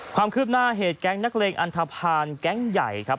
ความคืบหน้าเหตุแก๊งนักเลงอันทภาณแก๊งใหญ่ครับ